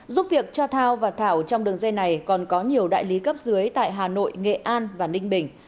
giúp việc cho thao và thảo trong đường dây này còn có nhiều đại lý cấp dưới tại hà nội nghệ an và ninh bình